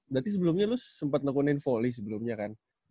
dati sebelumnya lu sempat nekunin foley sebelumnya kan